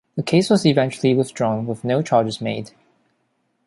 The case was eventually withdrawn with no charges made.